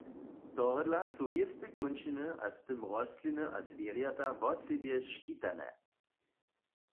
Tohodla su wěste kónčiny a z tym rostliny a zwěrjata wosebje škitane.